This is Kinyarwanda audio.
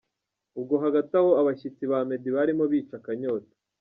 Ubwo hagati aho abashyitsi ba Meddy barimo bica akanyota.